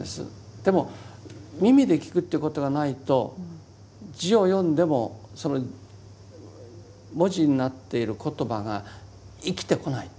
でも耳で聞くということがないと字を読んでもその文字になっている言葉が生きてこないと。